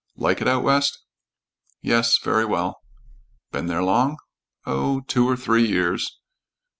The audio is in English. Like it out west?" "Yes. Very well." "Been there long?" "Oh, two or three years."